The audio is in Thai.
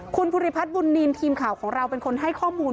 คุณภูริพัฒน์บุญนินทีมข่าวของเราเป็นคนให้ข้อมูล